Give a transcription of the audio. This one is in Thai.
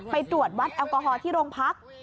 ไปตรวจวัดแอลกอฮอล์ที่โรงพัก